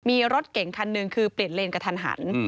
มีรถเก่งคันหนึ่งคือเปลี่ยนเลนกระทันหัน